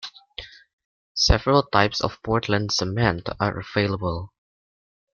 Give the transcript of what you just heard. Several types of Portland cement are available.